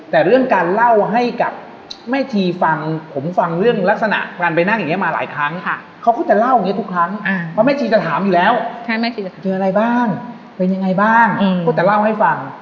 แต่เรื่องการเล่าให้กับแม่ชีฟังผมฟังเรื่องลักษณะการไปนั่งอย่างนี้มาหลายครั้ง